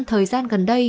thời gian gần đây